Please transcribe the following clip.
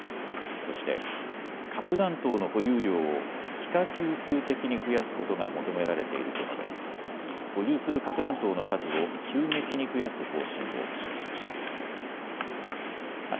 そして核弾頭の保有量を幾何級数的に増やすことが求められていると述べ保有する核弾頭の数を急激に増やす方針を示しました。